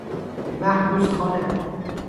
محبوس خانه